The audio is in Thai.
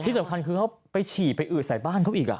สำคัญคือเขาไปฉี่ไปอืดใส่บ้านเขาอีก